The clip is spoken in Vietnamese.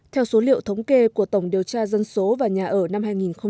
theo số liệu thống kê của tổng điều tra dân số và nhà ở năm hai nghìn chín